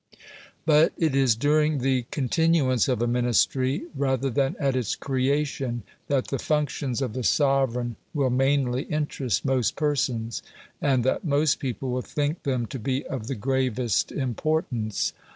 But it is during the continuance of a Ministry, rather than at its creation, that the functions of the sovereign will mainly interest most persons, and that most people will think them to be of the gravest importance.